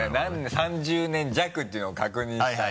３０年弱っていうのを確認したい